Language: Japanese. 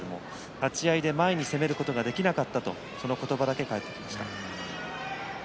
立ち合いで前に攻めることができなかったという言葉だけが返ってきました。